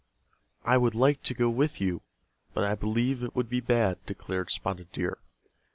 "I would like to go with you, but I believe it would be bad," declared Spotted Deer.